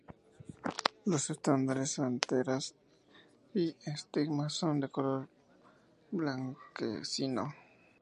Los estambres, anteras y estigma son de color blanquecino.